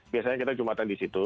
biasanya kita jumatan di situ